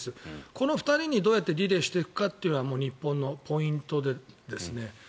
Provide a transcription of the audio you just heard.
この２人にどうリレーしていくかというのが日本のポイントですね。